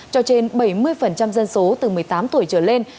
cho trên bảy mươi dân số từ một mươi tám tuổi trở lên